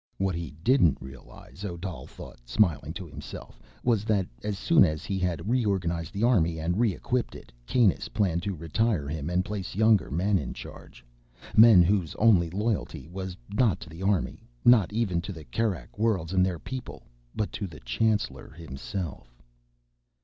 What he didn't realize, Odal thought, smiling to himself, was that as soon as he had reorganized the army and re equipped it, Kanus planned to retire him and place younger men in charge. Men whose only loyalty was not to the army, nor even to the Kerak Worlds and their people, but to the chancellor himself.